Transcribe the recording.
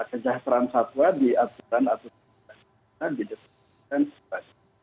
kejahteraan satwa di aturan aturan kita di depan kita